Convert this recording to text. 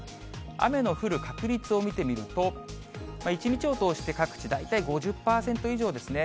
雨の降る確率を見てみると、一日を通して各地、大体５０％以上ですね。